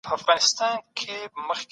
خوشحالي د زړه په سکون کي پیدا کیږي.